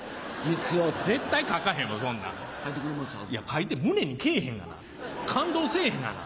書いて胸にけぇへんがな感動せえへんがな。